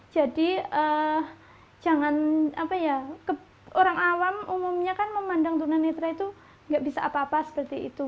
jadi orang awam umumnya memandang tunanetra itu tidak bisa apa apa seperti itu